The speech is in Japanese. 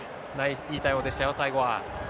いい対応でしたよ、最後は。